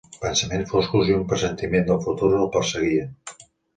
Pensaments foscos i un pressentiment del futur el perseguien.